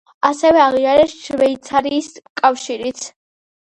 ასევე აღიარეს შვეიცარიის კავშირიც.